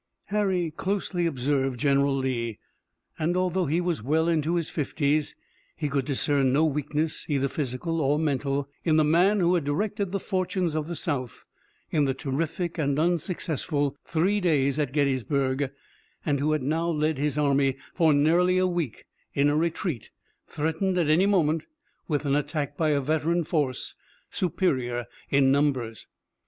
Harry closely observed General Lee, and although he was well into his fifties he could discern no weakness, either physical or mental, in the man who had directed the fortunes of the South in the terrific and unsuccessful three days at Gettysburg and who had now led his army for nearly a week in a retreat, threatened, at any moment, with an attack by a veteran force superior in numbers.